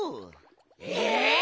え！